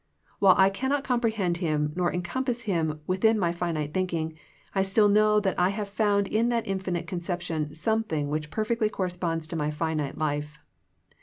While I cannot comprehend Him nor encompass Him within my finite thinking, I still know that I have found in that infinite concep tion something which perfectly corresponds to my finite life.